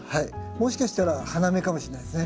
もしかしたら花芽かもしれないですね。